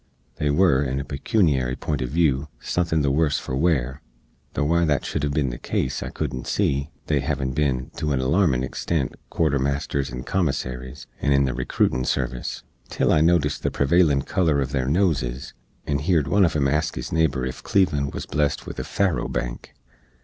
They were, in a pekuniary pint uv view, suthin the worse for wear, tho' why that shood hev bin the case I coodent see (they hevin bin, to an alarmin extent, quarter masters and commissaries, and in the recrootin service), til I notist the prevailin color uv their noses, and heerd one uv em ask his neighbor ef Cleveland wuz blest with a faro bank!